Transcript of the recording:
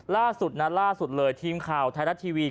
ล่าสุดนั้นล่าสุดเลยทีมข่าวไทยรัฐทีวี